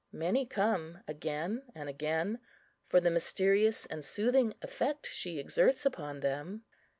Many come again and again, for the mysterious and soothing effect she exerts upon them.